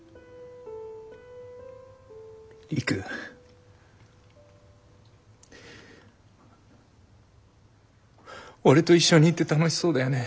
璃久俺と一緒にいて楽しそうだよね？